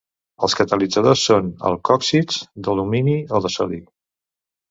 Els catalitzadors són alcòxids d'alumini o de sodi.